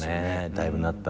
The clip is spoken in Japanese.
だいぶなった。